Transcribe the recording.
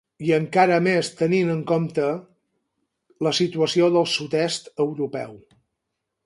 i encara més tenint en compte la situació del sud-est europeu.